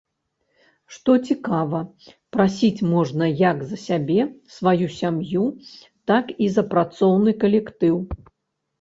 Што цікава, прасіць можна як за сябе, сваю сям'ю, так і за працоўны калектыў.